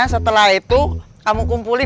setelah itu kamu kumpulin